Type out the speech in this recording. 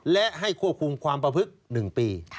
และให้ควบคุมความประพฤติ๑ปี